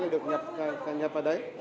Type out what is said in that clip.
được nhập vào đấy